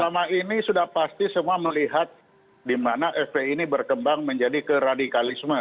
selama ini sudah pasti semua melihat di mana fpi ini berkembang menjadi ke radikalisme